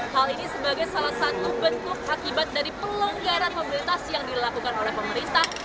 hal ini sebagai salah satu bentuk akibat dari pelonggaran mobilitas yang dilakukan oleh pemerintah